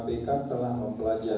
putusan perang perang dilanjurkan